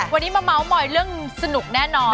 วันนี้มาเมาส์มอยเรื่องสนุกแน่นอน